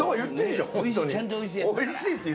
ちゃんとおいしいやつ。